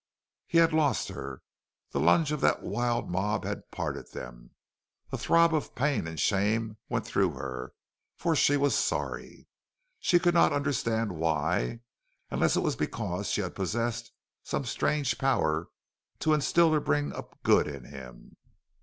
He had lost her. The lunge of that wild mob had parted them. A throb of pain and shame went through her, for she was sorry. She could not understand why, unless it was because she had possessed some strange power to instil or bring up good in him.